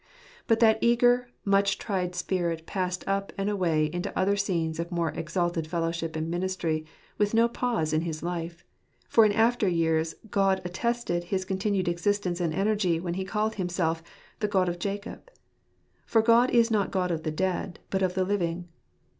But that eager, much tried spirit passed up and away into other scenes of more exalted fellowship and ministry, with no pause in his life, for in after years God attested his continued existence and energy when He called Himself " the God of Jacob," for God is not God of the dead, but of the living.